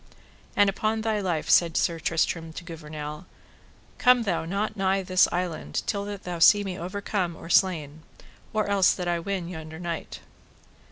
And upon thy life, said Sir Tristram to Gouvernail, come thou not nigh this island till that thou see me overcome or slain, or else that I win yonder knight.